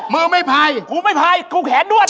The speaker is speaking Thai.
เมื่อไม่พลายไม่พลายกูแขนด้วย